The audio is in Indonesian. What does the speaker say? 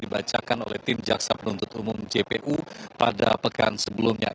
dibacakan oleh tim jaksa penuntut umum jpu pada pekan sebelumnya